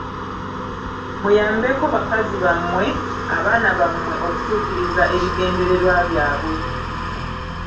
Muyambeko bakazi bammwe, abaana bammwe okutuukiriza ebigendererwa byabwe.